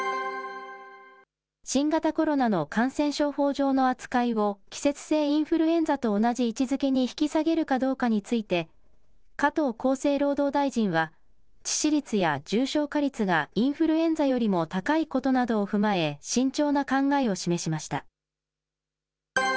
新型コロナの感染症法上の扱いを季節性インフルエンザと同じ位置づけに引き下げるかどうかについて、加藤厚生労働大臣は、致死率や重症化率がインフルエンザよりも高いことなどを踏まえ、慎重な考えを示しました。